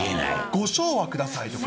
ご唱和くださいとか。